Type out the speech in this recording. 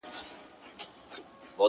• مخامخ وتراشل سوي بت ته ناست دی ـ